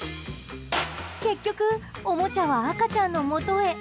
結局、おもちゃは赤ちゃんの元へ。